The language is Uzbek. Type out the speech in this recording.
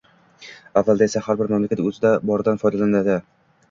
Avvalida esa har bir mamlakat o‘zida boridan foydalanadi